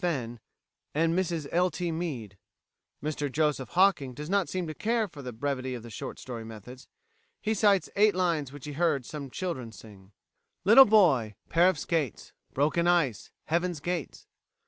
Fenn, and Mrs L. T. Meade. Mr Joseph Hocking does not seem to care for the brevity of short story methods. He cites eight lines which he heard some children sing: "Little boy, Pair of skates, Broken ice, Heaven's gates.